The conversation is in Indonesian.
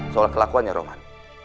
soal kelakuannya roman